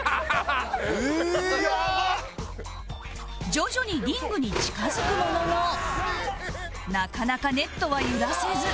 徐々にリングに近付くもののなかなかネットは揺らせず